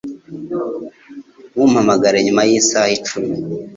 Ntumpamagare nyuma yisaha icumi